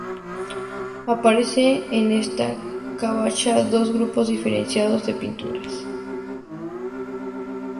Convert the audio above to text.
Aparecen en esta covacha dos grupos diferenciados de pinturas.